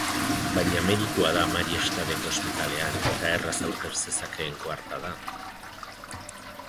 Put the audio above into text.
Baina medikua da Mariestad-eko ospitalean eta erraz aurkez zezakeen koartada.